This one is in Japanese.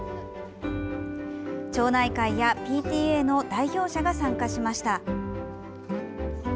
町内会やＰＴＡの代表者が参加しました。